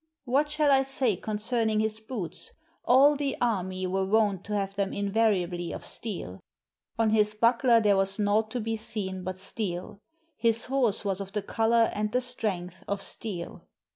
What shall I say concerning his boots? All the army were wont to have them invariably of steel; on his buckler there was naught to be seen but steel ; his horse was of the color and the strength of steel.